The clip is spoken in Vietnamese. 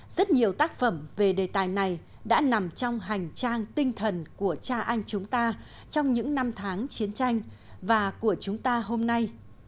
rất nhiều tác phẩm về đề tài này đã nằm trong hành trang tinh thần của cha anh chúng ta trong những năm tháng chiến tranh và của chúng ta hôm nay